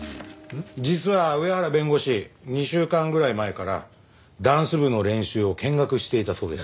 実は上原弁護士２週間ぐらい前からダンス部の練習を見学していたそうです。